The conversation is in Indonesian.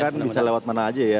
kan bisa lewat mana aja ya